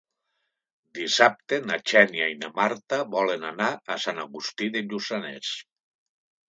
Dissabte na Xènia i na Marta volen anar a Sant Agustí de Lluçanès.